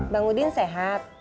bang udin sehat